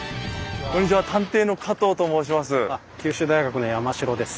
探偵の加藤と申します。